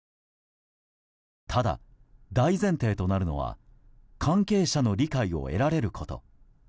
ただ、大前提となるのは関係者の理解を得られること。